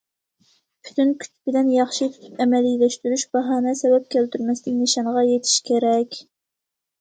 پۈتۈن كۈچ بىلەن ياخشى تۇتۇپ ئەمەلىيلەشتۈرۈش، باھانە سەۋەب كەلتۈرمەستىن نىشانغا يېتىش كېرەك.